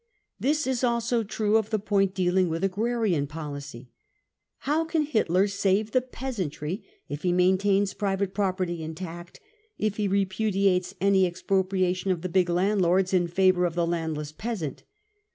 This is also true of the point dealing with agrarian policy. How can Hitler save the peasantry if he maintains private property intact, if he repudiates any expropriation of the big landlords in favour of the landless peasant